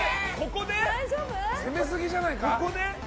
攻めすぎじゃないか。